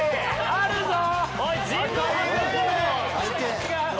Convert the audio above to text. あるぞ！